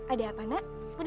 ada apa nak